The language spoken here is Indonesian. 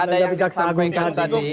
ada yang terkata tadi